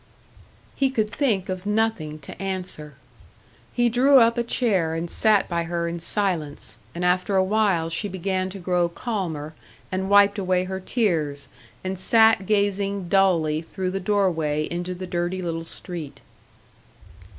He could think of nothing to answer. He drew up a chair and sat by her in silence, and after a while she began to grow calmer, and wiped away her tears, and sat gazing dully through the doorway into the dirty little street.